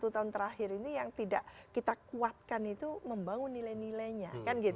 satu tahun terakhir ini yang tidak kita kuatkan itu membangun nilai nilainya